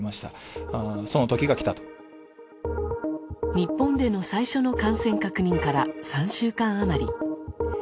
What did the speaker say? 日本での最初の感染確認から３週間余り。